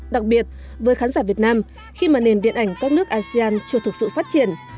đặc biệt với khán giả việt nam khi mà nền điện ảnh các nước asean chưa thực sự phát triển